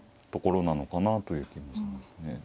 ところなのかなという気もしますね。